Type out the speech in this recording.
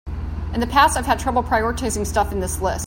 In the past I've had trouble prioritizing stuff in this list.